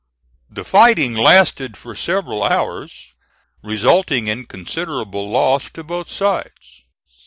The fighting lasted for several hours, resulting in considerable loss to both sides.